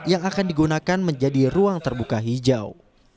yang akan digunakan menjadi ruang terbuka hijau